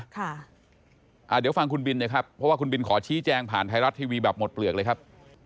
เดี๋ยวฟังคุณบินนะครับเพราะว่าคุณบินขอชี้แจงผ่านไทยรัฐทีวีแบบหมดเปลือกเลยครับ